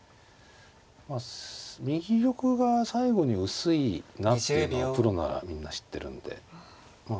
まあ右玉が最後に薄いなっていうのはプロならみんな知ってるんでまあ